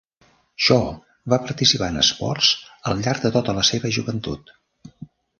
Shaw va participar en esports al llarg de tota la seva joventut.